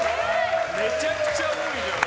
めちゃくちゃ多いじゃん。